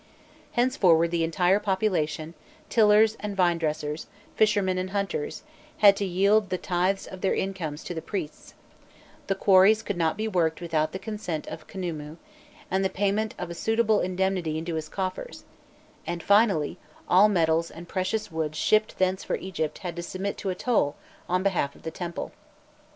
Henceforward the entire population, tillers and vinedressers, fishermen and hunters, had to yield the tithe of their incomes to the priests; the quarries could not be worked without the consent of Khnûmû, and the payment of a suitable indemnity into his coffers, and finally, all metals and precious woods shipped thence for Egypt had to submit to a toll on behalf of the temple.